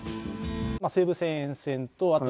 西武線沿線とあと